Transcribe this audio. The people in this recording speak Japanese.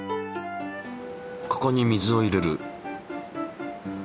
ここに水を入れる。